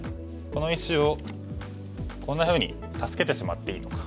この石をこんなふうに助けてしまっていいのか。